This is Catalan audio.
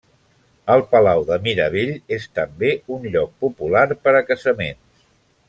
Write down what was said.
El palau de Mirabell és també un lloc popular per a casaments.